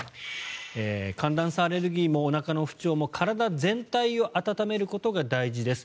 寒暖差アレルギーもおなかの不調も体全体を温めることが大事です。